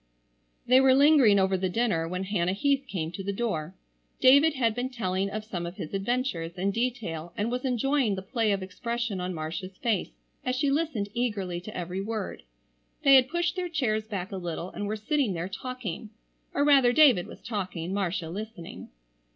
They were lingering over the dinner when Hannah Heath came to the door. David had been telling of some of his adventures in detail and was enjoying the play of expression on Marcia's face as she listened eagerly to every word. They had pushed their chairs back a little and were sitting there talking,—or rather David was talking, Marcia listening.